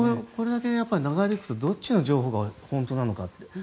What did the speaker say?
これだけ長引くとどっちの情報が本当なのかって。